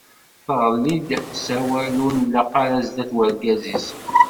Teɣli-d s wawal ur nlaq ara sdat urgaz-is.